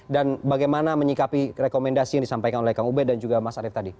dan bagaimana menyikapi rekomendasi yang disampaikan oleh kang ubed dan juga mas arief tadi